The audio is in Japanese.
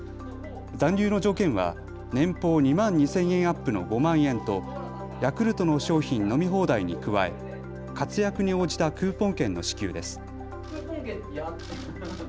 残留の条件は年俸２万２０００円アップの５万円とヤクルトの商品飲み放題に加え、活躍に応じたクーポン券の支給です。